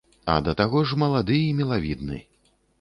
А да таго ж малады і мілавідны.